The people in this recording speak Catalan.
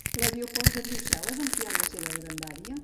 L'aeroport de Brussel·les ha ampliat la seva grandària?